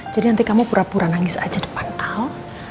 jadi nanti kamu pura pura nangis aja depan al